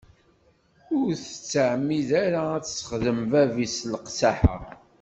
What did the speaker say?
Ur tettɛemmideḍ ara ad t-issexdem bab-is s leqsaḥa.